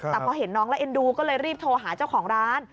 แต่พอเห็นน้องแล้วเอ็นดูก็เลยรีบโทรหาเจ้าของร้าน